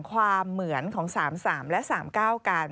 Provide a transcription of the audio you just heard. ความเหมือนของ๓๓และ๓๙กัน